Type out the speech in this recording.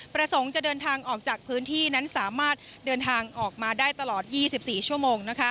ประสงค์จะเดินทางออกจากพื้นที่นั้นสามารถเดินทางออกมาได้ตลอด๒๔ชั่วโมง